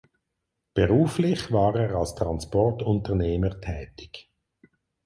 Beruflich war er als Transportunternehmer tätig.